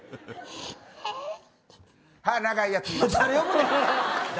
誰呼ぶねん。